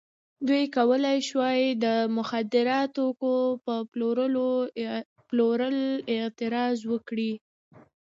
دوی کولای شوای د مخدره توکو په پلور اعتراض وکړي.